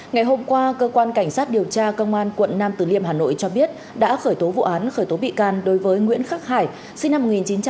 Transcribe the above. ngày hôm qua cơ quan cảnh sát điều tra công an quận nam từ liêm hà nội cho biết đã khởi tố vụ án khởi tố bị can đối với nguyễn khắc hải sinh năm một nghìn chín trăm tám mươi